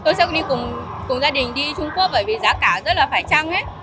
tôi sẽ đi cùng gia đình đi trung quốc bởi vì giá cả rất là phải trăng